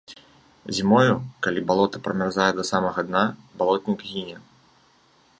Зімою, калі балота прамярзае да самага дна, балотнік гіне.